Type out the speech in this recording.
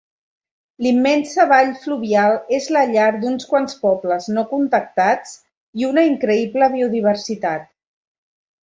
L'immensa vall fluvial és la llar d'uns quants pobles no contactats i una increïble biodiversitat.